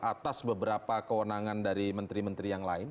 atas beberapa kewenangan dari menteri menteri yang lain